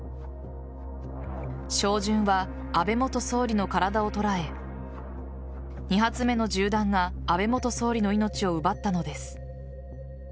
照準は安倍元総理の体を捉え２発目の銃弾が安倍元総理の命を奪ったのです。